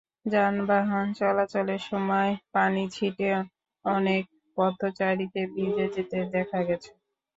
যানবাহন চলাচলের সময় পানি ছিটে অনেক পথচারীকে ভিজে যেতে দেখা গেছে।